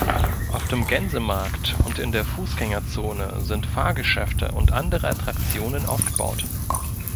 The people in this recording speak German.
Auf dem Gänsemarkt und in der Fußgängerzone sind Fahrgeschäfte und andere Attraktionen aufgebaut.